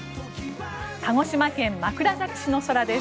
鹿児島県枕崎市の空です。